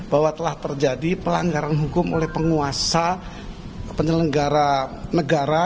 bahwa telah terjadi pelanggaran hukum oleh penguasa penyelenggara negara